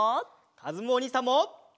かずむおにいさんも！